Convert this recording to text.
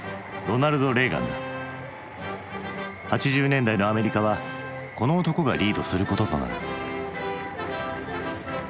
８０年代のアメリカはこの男がリードすることとなる。